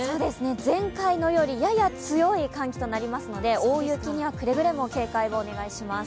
前回のよりやや強い寒気となりますので大雪には、くれぐれも警戒をお願いします。